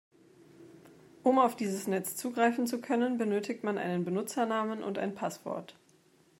Um auf dieses Netz zugreifen zu können benötigt man einen Benutzernamen und ein Passwort.